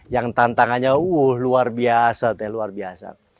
yang tantangannya uh luar biasa teh luar biasa